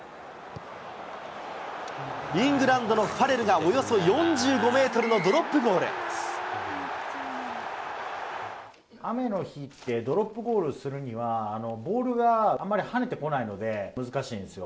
イングランドのファレルが、およそ４５メートルのドロップゴ雨の日って、ドロップゴールするには、ボールがあんまり跳ねてこないので、難しいんですよ。